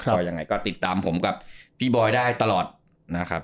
ก็ยังไงก็ติดตามผมกับพี่บอยได้ตลอดนะครับ